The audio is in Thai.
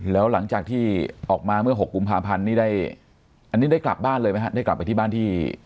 แล้วหลังจากที่ออกมาเมื่อ๖กุมภาพันธ์นี้ได้อันนี้ได้กลับบ้านเลยไหมฮะได้กลับไปที่บ้านที่